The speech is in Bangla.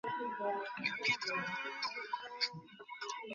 চলচ্চিত্রটি বাংলা ভাষার পাশাপাশি ইংরেজি ভাষাতেও মুক্তি পাবে।